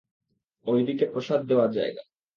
ওই দিকে প্রসাদ দেওয়ার জায়গা।